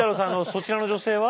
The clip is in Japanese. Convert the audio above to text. そちらの女性は？